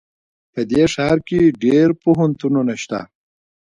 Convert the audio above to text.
په دې ښار کې ډېر پوهنتونونه شته